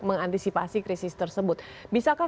mengantisipasi krisis tersebut bisakah